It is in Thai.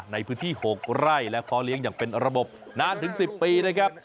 ในพื้นที่๖ไร่และพ่อเลี้ยงอย่างเป็นระบบนานถึง๑๐ปีนะครับ